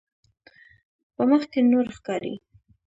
په مخ کې نور ښکاري.